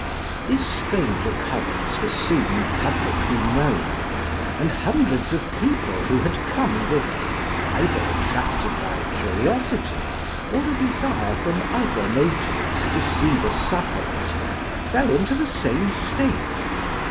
This strange occurrence was soon publicly known, and hundreds of people who had come thither, either attracted by curiosity or a desire from other motives to see the sufferers, fell into the same state.